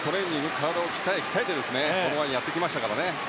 体を鍛えに鍛えてこれまでやってきましたからね。